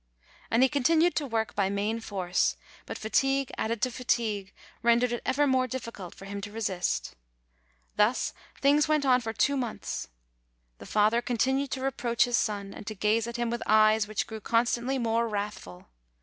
And he continued to work by main force; but fa tigue added to fatigue rendered it ever more difficult for him to resist. Thus things went on for two months. The father continued to reproach his son, and to gaze at him with eyes which grew constantly more wrathful.